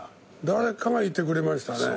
誰かがいてくれましたね。